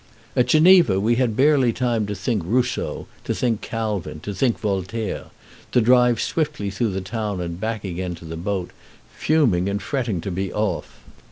At Geneva we had barely time to think Rousseau, to think Calvin, to think Voltaire, to drive swiftly through the town and back again to the boat, fuming and fretting to be off.